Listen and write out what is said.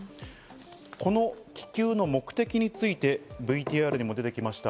この気球の目的についてＶＴＲにも出てきました。